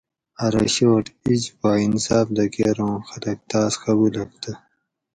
ارو شوٹ اِج پا انصاف دہ کۤر اُوں خلق تاۤس قبولگ تہ